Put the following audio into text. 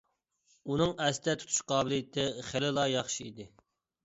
ئۇنىڭ ئەستە تۇتۇش قابىلىيىتى خېلىلا ياخشى ئىدى.